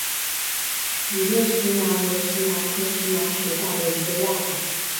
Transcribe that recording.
羽裂荨麻为荨麻科荨麻属下的一个亚种。